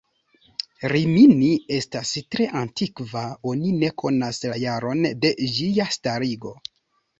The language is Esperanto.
Rimini estas tre antikva, oni ne konas la jaron de ĝia starigo.